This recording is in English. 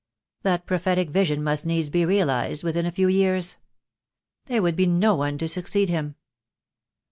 That prophetic vision must needs be realized within a few years. There would be no one to succeed him.